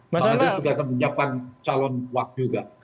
mas andras juga menyiapkan calon wak juga